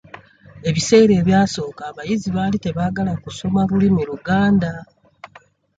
Ebiseera ebyasooka abayizi baali tebaagala kusoma lulimi Luganda.